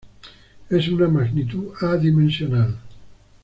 Es una magnitud adimensional.